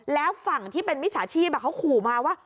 แล้วฝั่งที่เป็นมิจฉาชีพเขาขู่มาว่า